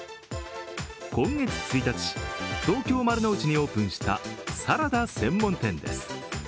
今月１日、東京・丸の内にオープンしたサラダ専門店です。